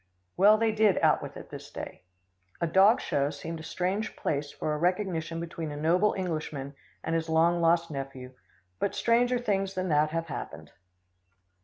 Well, they did out with it this day. A dog show seemed a strange place for a recognition between a noble Englishman and his long lost nephew, but stranger things than that have happened.